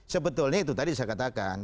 sebetulnya itu tadi saya katakan